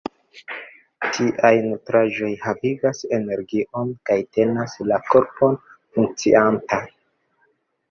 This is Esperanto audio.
Tiaj nutraĵoj havigas energion kaj tenas la korpon funkcianta.